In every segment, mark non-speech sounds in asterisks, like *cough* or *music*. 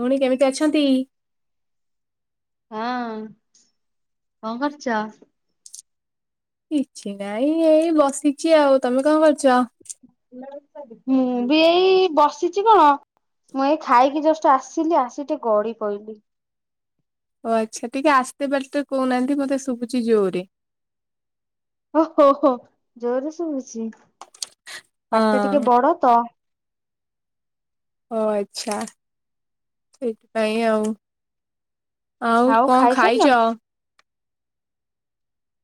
ଭଉଣୀ କେମିତି ଅଛନ୍ତି? ହଁ କଣ କରୁଛ? କିଛି ନାଇଁ ଏଇ ବସିଛି ଆଉ ତମେ କଣ କରୁଛ? ମୁଁ ବି ଏଇ ବସିଛି କଣ? ମୁଁ ଏଇ ଖାଇକି ଜଷ୍ଟ ଆସିଲି ଆସି ଟିକେ ଗଡି ପଇଲି। ଓ ଆଚ୍ଛା ଟିକେ ଆସ୍ତେ ପାଟିରେ କହୁନାହାନ୍ତି ମତେ ଶୁଭୁଛି ଜୋରେ। ଓହୋ ହୋ ଜୋରରେ ସୁବୁଛି ପାଟିଟା ଟିକେ ହଁ ବଡ ତ। ଓ ଆଚ୍ଛା ସେଇଥିପାଇଁ ଆଉ। ଆଉ କଣ ଖାଇଛ?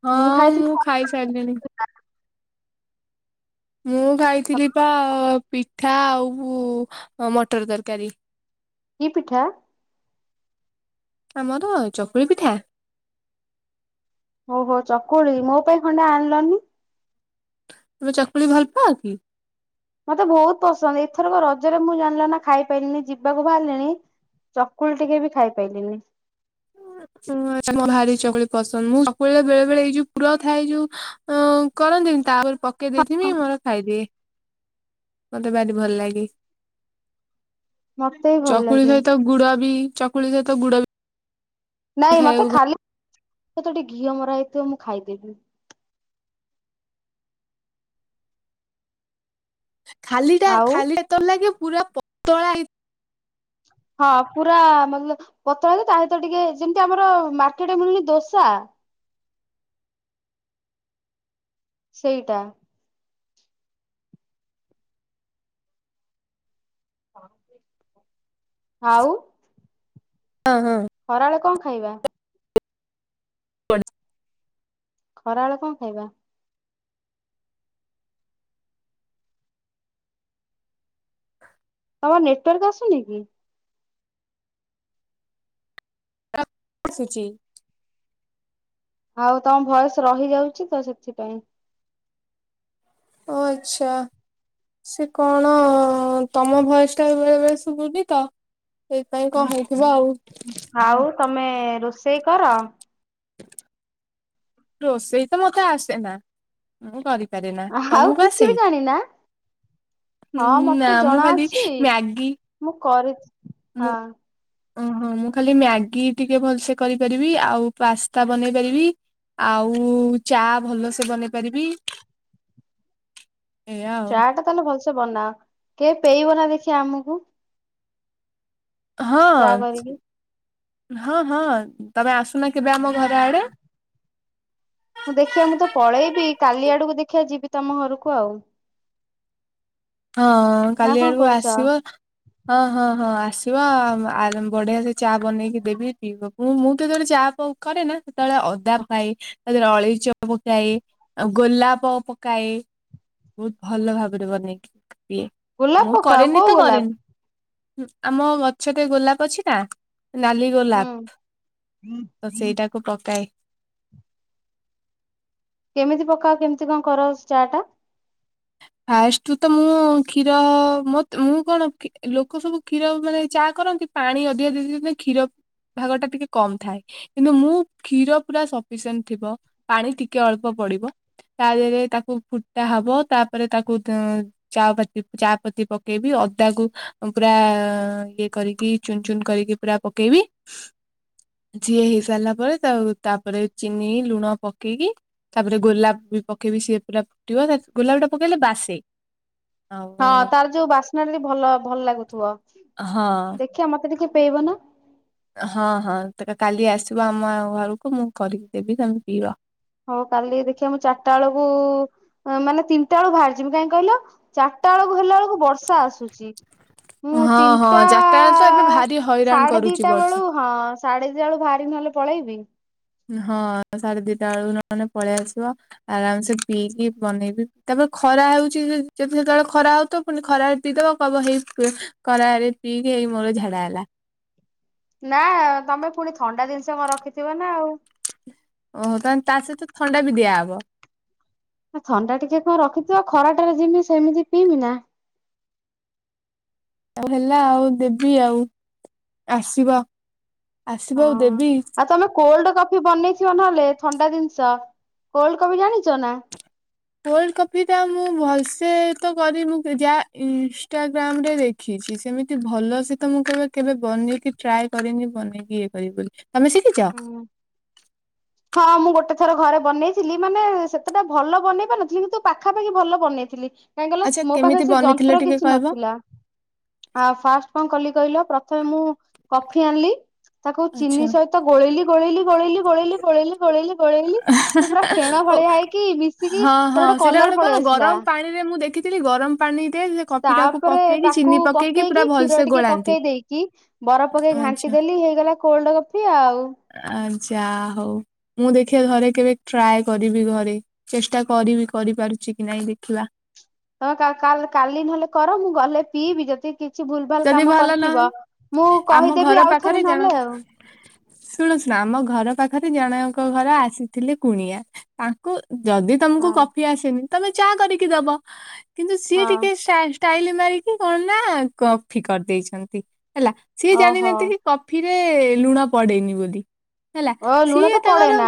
ହଁ ମୁଁ ଖାଇସାରିଲିଣି। ମୁଁ ଖାଇଥିଲି ପା ପିଠା ଆଉ ମଟର ତରକାରୀ। କି ପିଠା? ଆମର ଚକୁଳି ପିଠା। ଓହୋ ଚକୁଳି ମୋ ପାଇଁ ଖଣ୍ଡେ ଆଣିଲନି। ତମେ ଚକୁଳି ଭଲ ପାଅକି? ମତେ ବହୁତ ପସନ୍ଦ ଏଥରକ ରଜରେ ମୁଁ ଜାଣିଲା ନା ଖାଇପାରିଲିନି ଯିବାକୁ ବାହାରିଲିଣି। ଚକୁଳି ଟିକେ ବି ଖାଇପାଇଲିନି। ମୋ ଭାରି ଚକୁଳି ପସନ୍ଦ ମୁଁ ଚକୁଳିରେ ବେଳେ ବେଳେ ଏଇ ଯୋଉ ପୁର ଥାଏ ଯୋଉ ଅ କରନ୍ତିନି ତାପରେ ପକେଇ ଦେଇଥିମି ମୋର ଖାଇଦିଏ। ମତେ ଭାରି ଭଲ ଲାଗେ ମତେ ବି ଭଲ ଚକୁଳି ଲାଗେ ସହିତ ଗୁଡ ବି ଚକୁଳି ସହିତ ଗୁଡବି। ନାଇଁ ମତେ ଖାଲି ତ ଟିକେ ଘିଅ ମରା ହେଇଥିବ ମୁଁ ଖାଇଦେବି। ଖାଲିଟା ଆଉ ଖାଲିବେ *inaudible* ଲାଗେ ପୁରା ପତଳା ହେଇ ହଁ ପୁରା *unintelligible* ପତଳାକୁ ତା ସହିତ ଟିକେ ଯେମିତି ଆମର ମାର୍କେଟରେ ମିଳୁନି ଦୋସା। ସେଇଟା। *unintelligible* ଆଉ। ହଁ। ଖରାଏଳେ କଣ ଖାଇବା? *unintelligible* ଖରାବେେଳେ କଣ ଖାଇବା? ତମର ନେଟୱାର୍କ ଆସୁନି କି? ଆସୂଚି। ଆଉ ତମ ଭଏସ ରହିଯାଉଛି ତ ସେଥିପାଇଁ। ଓ ଆଚ୍ଛା। ସେ କଣ ତମ ଭଏସଟା ବେଳେ ବେଳେ ଶୁବୁନି ତ। ହେଇଥିପାଇଁ କଣ ହେଇଥିବ ଆଉ। ଆଉ ତମେ ରୋଷେଇ କର। ରୋଷେଇ ତ ମତେ ଆସେ ନା। ମୁଁ କରିପାରେ ନା ଆଉ ତମକୁ କିଛି ଆସେ? ବି ଜାଣିନା ହଁ ନା ମତେ ମୁଁ ଜଣା ଖାଲି ଅଛି ମ୍ୟାଗି ମୁଁ କରି ହଁ ମୁଁ ଓହୋ ମୁଁ ଖାଲି ମ୍ୟାଗି ଟିକେ ଭଲସେ କରିପାରିବି ଆଉ ପାସ୍ତା ବନେଇ ପାରିବି। ଆଉ ଚା ଭଲ ସେ ବନେଇ ପାରିବି ଏଇଆ ଆଉ। ଚା ଟା ତାହେଲେ ଭଲ ସେ ବନା କିଏ ପେଇବ ନା ଦେଖି ଆମକୁ ହଁ ଚା କରିକି। ହଁ ହଁ ତମେ ଆସୁନ କେବେ ଆମ ଘରେ ଆଡେ। ହଁ ଦେଖିଆ ମୁଁ ତ ପଳେଇବି କାଲି ଆଡକୁ ଦେଖିବା ଯିବି ତମ ଘରକୁ ଆଉ। ହଁ ନା କାଲି କଣ ଆଡକୁ କହୁଛ? ଆସିବ ହଁ ହଁ ହଁ ଆସିବା ବଢିଆ ସେ ଚା ବନେଇକି ଦେବି ପିଇବ। ମୁଁ ମୁଁ ତ ଯେତେବେଳେ ଚା କରେ ନା ସେତେବେଳେ ଅଦା ପକାଏ ତା ଦେହରେ ଅଳେଇଚ ପକାଏ। ଆଉ ଗୋଲାପ ପକାଏ ବହୁତ ଭଲ ଭାବରେ ବନେଇକି ପିଏ। ଗୋଲାପ ମୁଁ ପକାଅ କରେନି କୋଉ ତ ଗୋଲାପ କରେନି ଆମ ଗଛରେ ଗୋଲାପ ଅଛି ନା। ନାଲି ହୁଁ ଗୋଲାପ ତ ସେଇଟାକୁ ପକାଏ। କେମିତି ପକାଅ କେମିତି କଣ କର ଚା ଟା? ଫାଷ୍ଟୁ ତ ମୁଁ କ୍ଷୀର ମ ମୁଁ କଣ ଲୋକ ସବୁ କ୍ଷୀର ମାନେ ଚା କରନ୍ତି। ପାଣି ଅଧିକା ଦେଇ ଦିଅନ୍ତି କ୍ଷୀର ଭାଗ ଟା ଟିକେ କମ ଥାଏ। କିନ୍ତୁ ମୁଁ କ୍ଷୀର ପୁରା ସଫିସିଏଣ୍ଟ ଥିବ ପାଣି ଟିକେ ଅଳ୍ପ ପଡିବ। ତା ଦେହରେ ତାକୁ ଫୁଟା ହବ ତା ତା ପରେ ତାକୁ ଚା ପତି ଚା ପତି ପକେଇବି। ଅଦାକୁ ପୁରା ଇଏ କରିକି ଚୁନ ଚୁନ କରିକି ପୁରା ପକେଇବି। ଝିଏ ହେଇ ସାରିଲା ପରେ ତା ତାପରେ ଚିନି ଲୁଣ ପକେଇକି ତାପରେ ଗୋଲାପ ବି ପକେଇବି ସିଏ ପୁରା ଫୁଟିବ ଗୋଲାପ ଟା ପକେଇଲେ ବାସେ। ହଁ ଆଉ ତାର ଯୋଉ ବାସ୍ନା ଟା ବି ଭଲ ଭଲ ଲାଗୁଥିବ ହଁ ଦେଖିବା ମତେ ଟିକେ ପେଇବ ନା। ହଁ ହଁ କାଲି ଆସିବ ଆମ ଘରକୁ ମୁଁ କରିକି ଦେବି ତମେ ପିଇବ। ହଉ କାଲି ଦେଖିବା ମୁଁ ଚାରିଟା ବେଳକୁ ହଁ ମାନେ ତିନିଟା ବେଳକୁ ବାହାରି ଯିବି କାହିଁ କହିଲ ଚାରିଟା ବେଳକୁ ହେଲା ବେଳକୁ ବର୍ଷା ଆସୁଛି। ମୁଁ ହଁ ହଁ ତିନିଟା ଯାତାୟାତ ତ ଏବେ ଭାରି ହଇରାଣ ସାଢେ କରୁଛି ଦିଟା ବର୍ଷା। ବେଳୁ ହଁ ସାଢ଼େ ଦି ଟା ବେଳୁ ବାହାରି ନହେଲେ ପଳେଇବି। ହଁ ସାଢେ ଦିଟା ବେଳକୁ ନହନେ ପଳେଇ ଆସିବ। ଆରାମ ସେ ପିଇକି ବନେଇବି ତାପରେ ଖରା ହଉଛି ଯଦି ସେତେବେଳେ ଖରା ହଉ ଥବ ପୁଣି ଖରାରେ ପିଇ ଦବ କହିବ ହେଇ ଖରାରେ ପିଇକି ଏଇ ମୋର ଝାଡା ହେଲା। ନା ତମେ ପୁଣି ଥଣ୍ଡା ଜିନିଷ କଣ ରଖିଥିବ ନା ଆଉ। ଓହୋ ତାହେନେ ତା ସହିତ ଥଣ୍ଡା ବି ଦିଆ ହବ। ଥଣ୍ଡା ଟିକେ କଣ ରଖିଥିବ ଖରା ଟାରେ ଯିମି ସେମିତି ପିଇମି ନା। ହଉ ହେଲା ଆଉ ଦେବି ଆଉ ଆସିବ। ଆସିବ ହଁ ଆଉ ଦେବି। ଆଉ ତମେ କୋଲ୍ଡ କଫି ବନେଇଥିବ ନହେଲେ ଥଣ୍ଡା ଜିନିଷ। କୋଲଡ କଫି ଜାଣିଛ ନା? କୋଲ୍ଡ କପି ଟା ମୁଁ ଭଲ ସେ ତ କରିନି ମୁ ଯାହା ଇନଷ୍ଟାଗ୍ରାମ ରେ ଦେଖ ଦେଖିଛି ସେମିତି ଭଲ ସେ ତ ମୁଁ କେବେ ବନେଇକି ଟ୍ରାଏ କରିନି ବନେଇକି ଇଏ କରିବି ବୋଲି। ତମେ ଶିଖିଛ? ହୁଁ। ହଁ। ମୁଁ ଗୋଟେ ଥର ଘରେ ବନେଇଥିଲି ମାନେ ସେତେଟା ଭଲ ବନେଇ ପାରୁନଥିଲି କିନ୍ତୁ ପାଖାପାଖି ଭଲ ବନେଇଥିଲି। କାହିଁକି କହିଲ ଆଚ୍ଛା ମୋ କେମିତି ପାଖରେ ସେ ବନେଇଥିଲେ ଯନ୍ତ୍ର ଟିକେ କିଛି କହିବ? ନଥିଲା। ଆ ଫାଷ୍ଟ କଣ କଲି କହିଲ ପ୍ରଥମେ ମୁଁ କଫି ଆଣିଲି ତାକୁ ଆଚ୍ଛା। ଚିନି ସହିତ ତ ଗୋଳେଇଲି, ଗୋଳେଇଲି, ଗୋଳେଇଲି, ଗୋଳେଇଲି, ଗୋଳେଇଲି ଗୋଳେଇଲି, ଗୋଳେଇଲି ସେ ପୁରା ଫେଣ ଓ ଭଳିଆ ହେଇକି ମିଶିକି ହଁ ତାର ହଁ ଗୋଟେ ସେଇଟା କଲର କଣ ପଳେଇ ଆସିଲା। ଗରମ ପାଣିରେ ମୁଁ ଦେଖିଥିଲି ଗରମ ପାଣିରେ ସେ କଫି ଟାକୁ ତାପରେ ପକେଇକି ତାକୁ ଚିନି ପୁରା ପକେଇକି କ୍ଷୀର ଭଲସେ ଟିକେ ଗୋଳାନ୍ତି। ପକେଇ ଦେଇକି କି ବରଫ ପକେଇ ଘାଣ୍ଟି ଆଚ୍ଛା ଦେଲି ହେଇଗଲା କୋଲ୍ଡ କଫି ଆଉ। ଆ ଯା ହଉ ମୁଁ ଦେଖିବା ଘରେ କେବେ ଟ୍ରାଏ କରିବି ଘରେ ଚେଷ୍ଟା କରିବି କରିପାରୁଛି କି ନାଇଁ ଦେଖିବା। ତମୋ କାଲ କା କାଲି ନହେଲେ କର ମୁଁ ଗଲେ ପିଇବି ଯଦି କିଛି ଭୁଲ ଭାଲ ଯଦି କାମ ଭଲ କରିଥିବ ନହେଲେ ମୁଁ ଆମ କହିଦେବି ଆଉ ଥରେ ନହେଲେ ଆଉ। ଶୁଣୁ ଶୁଣ ଆମ ଘର ପାଖରେ ଜଣଙ୍କ ଘର ଆସିଥିଲେ କୁଣିଆ ତାଙ୍କୁ ଯଦି ତମକୁ ହଁ କଫି ଆସେନି ତମେ ଚାହା କରିକି ଦବ। କିନ୍ତୁ ସିଏ ଟିକେ ହଁ। ଷ୍ଟାଟ ଷ୍ଟାଇଲ ମାରିକି କଣ ନା କଫି କରିଦେଇଛନ୍ତି ହେଲା। ସିଏ ଓହୋ ଜାଣିନାହାନ୍ତି କି କଫିରେ ଲୁଣ ପଡେନି ବୋଲି। ହେଲା ଓ ଲୁଣ ସିଏ ତ ପଡେ ତାଙ୍କର ନା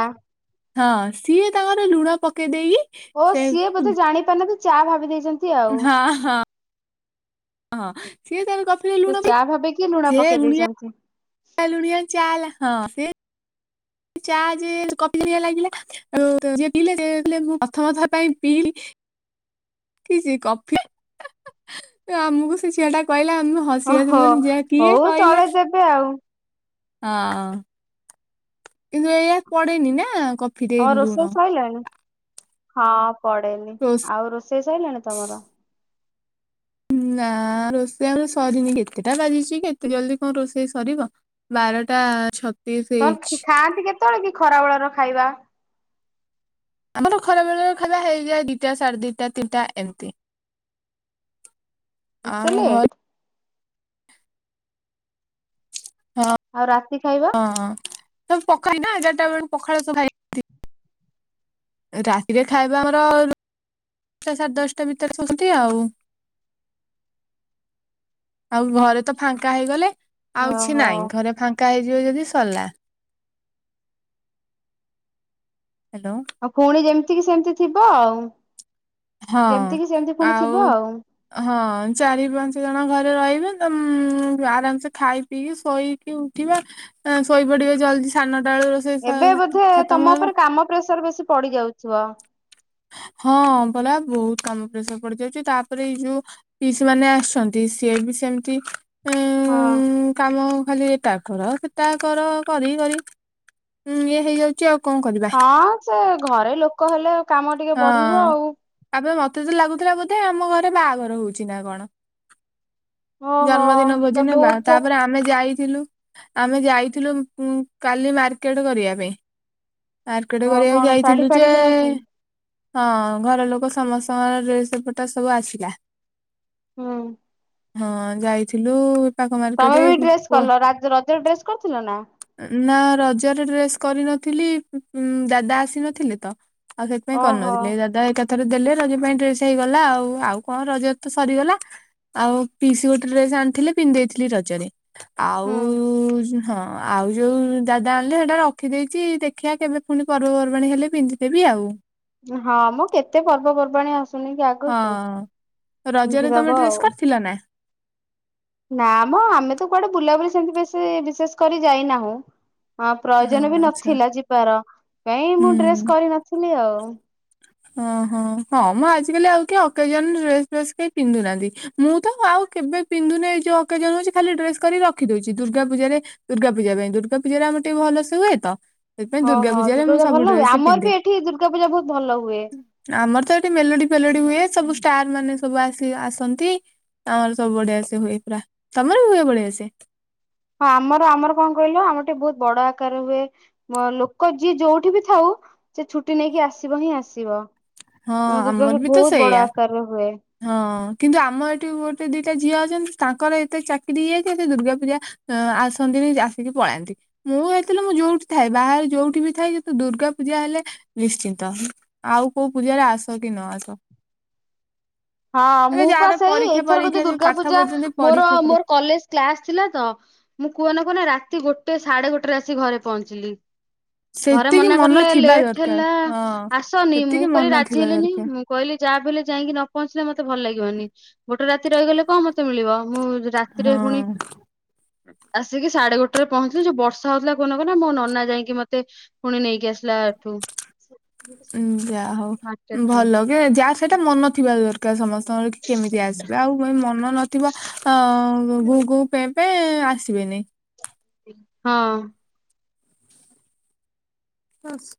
ହଁ ସିଏ ତାଙ୍କର ଲୁଣ ପକେ ଦେଇକି ଓ ସେ ସିଏ ବୋଧେ ଜାଣିପ ନାହାନ୍ତି ଚା ଭାବି ଦେଇଛ ହଁ ହଁ। ହଁ ସିଏ ତାର କ ତ ଚା ଭାବିକି ଲୁଣ ପକେ ଦେଇଛନ୍ତି। ଲୁଣିଆ ଚାଁ ଚା ଯେ ଲାଗିଲା ଆ ଯ ପିଇଲେ ମୁଁ ପ୍ରଥମଥର ପାଇଁ ପିଇ କିଛି କଫି ଆମକୁ ସେ ଝିଅ ଟା କହିଲା ଆମ ହସିଆ ଓହୋ ବୁନ ଯା କିଏ ହଉ କହିଲା ଚଳେଇ ଦେବେ ଆଉ। ହଁ କିନ୍ତୁ ଏଇଆ ପଡନି ନା କ ହ ରୋଷେଇ ସଇଲାଣି? ହଁ ପଡେନି। ରୋଷେ ଆଉ ରୋଷେଇ ସରିଲାଣି ତମର? ନା ରୋଷେଇ ଆମ ସରିନି। କେତେଟା ବାଜିଛି କେତେ ଜଲଦି କଣ ରୋଷେଇ ସରିବ। ବାରଟା ଛ ତର ଖାଆନ୍ତି କେତେବେଳେ କି ଖରା ବେଳର ଖାଇବା? ଆମର ଖରାବେଳେରେ ଖାଇବା ହେଇଯାଏ ଦିଟା ସାଢେ ଦିଟା ତିନିଟା ଏମିତି। ଆମ ଏତେ ଲେ ଘର ହଁ। ଆଉ ରାତି ଖାଇବା? ହଁ ସବୁ ପଖାଇ ନା ଏଗାରଟା ବେଳେ ପଖାଳ ସବୁା ଖାଇ ରାତିରେ ଖାଇବା ମର ସାର ଦଶଟା ଭିତରେ ଶୁନ୍ତି ଆଉ। ସ ଆଉ ଘରେ ତ ଫାଙ୍କା ହେଇଗଲେ ଆଉଛି ଓହୋ ନାଇଁ ଘରେ ଫାଙ୍କା ହେଇଯିବ ଯଦି ସଲା। ହାଲୋ। ଉ ପୁଣି ଯେମିତି କିି ସେମିତି ଥିବ ଆଉ। ହଁ ଯେମିତି କିି ସେମିତି ପୁଣି ଥିବ ଆଉ। ହଁ ଚାରି ପାଞ୍ଚ ଜଣ ଘରେ ରହିବେ ତ ଆରାମସେ ଖାଇ ପିଇ ଶୋଇ ଉଠିବ ଆଁ ଶୋଇପଡିବେ ଜଲ୍ଦି ସାନଟାଳୁ ର ଏବେ ବୋଧେ ତମ ଉପରେ କାମ ପ୍ରେସର ବେଶୀ ପଡି ଯାଉଥିବ। ହଁ ବଲା ବହୁତ କାମ ପ୍ରେସର ପଡି ଯାଉଛି। ତାପରେ ଏଇ ଯୋ ପିଶି ମାନେ ଆସଛନ୍ତି ସିଏ ବି ସେମିତି ହଁ। ଉଁ କାମ ଖାଲି ଏଟା କର ସେଟା କର କରି କରି ଉଁ ଇଏ ହେଇଯାଉ ଚି ଆଉ କଣ କରିବା ହଁ ସେ ଘରେ ଲୋକ ହେଲେ କାମ ଟିକେ ହଁ ବଢିବ ଆଉ। ଆବେ ମତେ ତ ଲାଗୁଥିଲା ବୋଧେ ଆମ ଘରେ ବାହାଘର ହଉଛି ନା କଣ। ଓହୋ ଜନ୍ମଦିନ ଭୋଜି ତ ନେବା ବହୁତ ତାପରେ ଆ ଆମେ ଯାଇଥିଲୁ ଆମେ ଯାଇଥିଲୁ କାଲି ମାର୍କେଟ କରିବା ପାଇଁ। ଆକେଟ୍ ଅ କରିବାକୁ କଣ ଶାଢୀ ଯାଇଥିଲୁ ଫାଢୀ ଯେ କିଣା କିଣି ହଁ ଘର ଲୋକ ସମସ୍ତଙ୍କର ଡ୍ରେସ୍ ଫୁଟା ସବୁ ଆସିଲା। ହୁଁ। ହଁ ଯାଇଥିଲୁ। ପାଖ ମାର୍କେଟ ତମେ ବି ଡ୍ରେସ୍ କଲ ରା ରଜରେ ଡ୍ରେସ୍ କରିଥିଲ ନାଁ? ନାଁ ରଜରେ ଡ୍ରେସ୍ କରିନଥିଲି ଦାଦା ଆସିନଥିଲେ ତ। ଆଉ ସେଥିପାଇଁ ଓହୋ କରିନଥିଲେ ଦାଦା ଏ ଥରେ ଦେଲେ ରଜ ପାଇଁ ଡ୍ରେସ୍ ହେଇଗଲା ଆଉ ଆଉ କଣ ରଜ ତ ସରିଗଲା। ଆଉ ପିସି ଗୋଟେ ଡ୍ରେସ୍ ଆଣିଥିଲେ ପିନ୍ଧେଇଥିଲି ରଜରେ ଆଉ ହୁଁ ହଁ ଆଉ ଯୋଉ ଦାଦା ଆଣିଲେ ସେଇଟା ରଖିଦେଇଚି ଦେଖିଆ କେବେ ପୁଣି ପର୍ବପର୍ବାଣୀ ହେଲେ ପିନ୍ଧିଦେବି ଆଉ। ହଁ ହଁ ମ କେତେ ପର୍ବପର୍ବାଣୀ ଆସୁନିକି ଆଗକୁ ହଁ ବୁଝିଦବ ଆଉ। ଫୁଲନା। ନାଁ ମ ଆମେ ତ କୁଆଡ଼େ ବୁଲାବୁଲି ସେମତି ବେଶୀ ବିଶେଷ କରି ଯାଇନାହୁଁ। ହଁ ହଁ ପ୍ରୟୋଜନ ବି ଆଚ୍ଛା ନଥିଲା ଯିବାର କାଇଁ ମୁଁ ହୁଁ ଡ୍ରେସ୍ କରିନଥିଲି ଆଉ। ଓହୋ ହଁ ମ ଆଜିକାଲି ଆଉ କି ଅକେଜନ ଡ୍ରେସ୍ ଫେସ୍ କେହି ପିନ୍ଧୁ ନାହାନ୍ତି। ମୁଁ ତ ଆଉ କେବେ ପିନ୍ଧୁନାହିଁ ଯୋଉ ଅକେଜନ ହଉଚି ଖାଲି ଡ୍ରେସ୍ କରିକି ରଖି ଦଉଚି ଦୁର୍ଗା ପୂଜାରେ ଦୁର୍ଗା ପୂଜା ପାଇଁ ଦୁର୍ଗା ପୂଜାରେ ଆମର ଟିକେ ଭଲସେ ହୁଏ ତ। ସେଥିପାଇଁ ହଁ ଦୁର୍ଗା ହଁ ପୂଜାରେ ମୁଁ ଦୁର୍ଗାପୂଜା ସବୁ ଭଲ ହୁଏ ଡ୍ରେସ ଆମର ପିନ୍ଧେ ବି ଏଠି ଦୁର୍ଗା ପୂଜା ବହୁତ୍ ଭଲ। ହୁଏ। ଆମର ତ ଏଠି ମେଲୋଡି ଫେଲୋଡି ହୁଏ ସବୁ ଷ୍ଟାର ମାନେ ସବୁ ଆସି ଆସନ୍ତି। ଆମର ସବୁ ବଢିଆସେ ହୁଏ ପୁରା ତମର ବି ହୁଏ ବଢ଼ିଆସେ। ହଁ ଆମର ଆମର କଣ କହିଲ ଆମର ଟିକେ ବହୁତ୍ ବଡ ଆକାର ହୁଏ। ଲୋକ ଯିଏ ଯୋଉଠି ବି ଥାଉ ସେ ଛୁଟି ନେଇକି ଆସିବ ହିଁ ଆସିବ। ହଁ ଆମ ଆମର ଦୁର୍ଗାପୁର୍ ବି ତ ବହୁତ୍ ବଡ ସେଇଆ ଆକାର ରେ ହୁଏ। ହଁ କିନ୍ତୁ ଆମ ଏଠି ଗୋଟେ ଦିଟା ଝିଅ ଅଛନ୍ତି ତାଙ୍କର ଏତେ ଚାକିରି ହେଇଯାଇଚି ଏ ଦୁର୍ଗା ପୂଜା ଅ ଆସନ୍ତିନି ଆସିକି ପଳାନ୍ତି। ମୁଁ ହେଇଥିଲେ ମୁଁ ଯୋଉଠି ଥାଏ ବାହାରେ ଯୋଉଠି ବି ଥାଏ କିନ୍ତୁ ଦୁର୍ଗା ପୂଜା ହେଲେ ନିଶ୍ଚିନ୍ତ ଆଉ କୋଉ ପୂଜାରେ ଆସକି ନ ଆସ। ହଁ ଏବେ ମୁଁ ପା ଯାହାର ସେଇ ପରୀକ୍ଷା ଏଇଥର ଯୋଉ ପରୀକ୍ଷା ଦୁର୍ଗା ପାଠ ପୂଜା ପଢୁଛନ୍ତି ମୋର ପରୀକ୍ଷା ପରୀକ୍ଷା ମୋର କଲେଜ୍ କ୍ଲାସ୍ ଥିଲା ତ ମୁଁ କୁହନା କୁହନା ରାତି ଗୋଟେ ସାଢେ ଗୋଟେ ରେ ଆସି ଘରେ ପହଞ୍ଚିଲି। ଘରେ ସେତିକି ମନା ମନ କଲେ ଥିବା ଲେଟ୍ ଦରକାର ହେଲା ହଁ ଆସନି ମୁଁ ସେତିକି କଲି ମନ ରାଜି ଥିବା ହେଲିନି ଦରକାର ମୁଁ କହିଲି ଯାହାବି ହେଲେ ଯାଇକି ନ ପହଞ୍ଚିଲେ ମତେ ଭଲ ଲାଗିବାନି ଗୋଟେ ରାତି ରହିଗଲେ କଣ ମତେ ମିଳିବ ମୁଁ ରାତିରେ ହଁ। ପୁଣି ଆସିକି ସାଢ଼େ ଗୋଟେରେ ପହଞ୍ଚିଲି ଯୋଉ ବର୍ଷା ହଉଥିଲା କୁହନା କୁହନା ମୋ ନନା ଯାଇକି ମତେ ପୁଣି ନେଇକି ଆସିଲା ଏଠୁ। ଉଁ ଯାହା ହଉ ମାର୍କେଟରୁ ଭଲ କି ଯାହା ସେଇଟା ମନ ଥିବା ଦର୍ ସମସ୍ତଙ୍କ ରଖି କେମିତି ଆସିବେ ଆଉ ମନ ନ ଥିବ ଅ ଗୁଗୁଁ ପେପେ ଆସିବେନି। ହଁ। ଖସ୍।